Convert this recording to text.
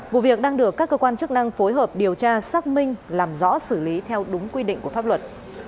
vụ việc đang được các cơ quan chức năng phối hợp điều tra xác minh làm rõ xử lý theo đúng quy định của pháp luật